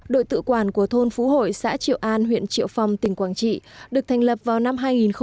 đội tự quản của thôn phú hội xã triệu an huyện triệu phong tỉnh quảng trị được thành lập vào năm hai nghìn một mươi